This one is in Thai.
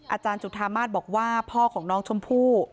อาจารย์จุธามาศบอกว่าพ่อของน้องชมพู่